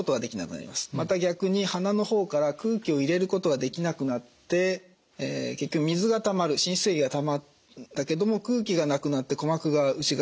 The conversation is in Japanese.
また逆に鼻の方から空気を入れることができなくなって結局水がたまる滲出液がたまったけども空気がなくなって鼓膜が内側にへこんでしまうと。